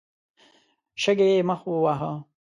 شګې يې مخ وواهه.